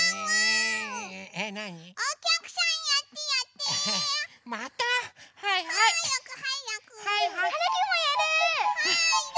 はい。